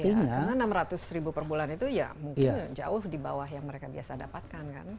karena enam ratus ribu perbulan itu ya mungkin jauh di bawah yang mereka biasa dapatkan kan